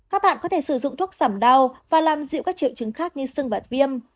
các bạn có thể sử dụng thuốc giảm đau và làm dịu các triệu chứng khác như xương bạt viêm